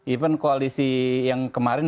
even koalisi yang kemarin